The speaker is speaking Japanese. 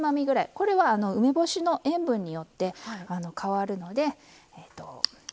これは梅干しの塩分によって変わるので加減して下さい。